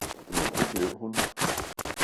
men det blev hun.